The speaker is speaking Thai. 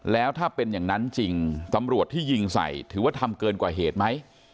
แล้วถ้าเป็นอย่างนั้นจริงตำรวจที่ยิงใส่ถือว่าทำเกินกว่าเหตุไหม